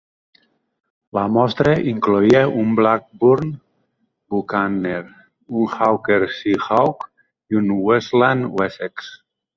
La mostra incloïa un Blackburn Buccaneer, un Hawker Sea Hawk i un Westland Wessex.